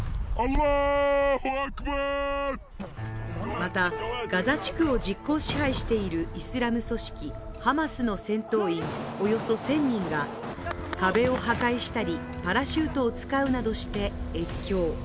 またガザ地区を実効支配しているイスラム組織ハマスの戦闘員およそ１０００人が、壁を破壊したり、パラシュートを使うなどして越境。